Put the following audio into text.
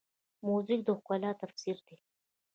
موزیک د ښکلا تفسیر دی.